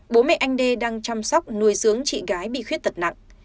bố mẹ anh đê đang chăm sóc nuôi dưỡng chị gái bị khuyết tật nặng